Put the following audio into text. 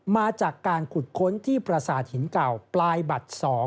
มาจากการขุดค้นที่ประสาทหินเก่าปลายบัตร๒